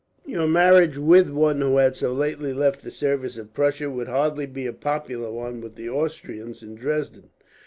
Your marriage, with one who had so lately left the service of Prussia, would hardly be a popular one with the Austrians in Dresden.